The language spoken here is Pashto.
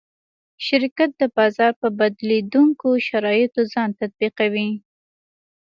شرکت د بازار په بدلېدونکو شرایطو ځان تطبیقوي.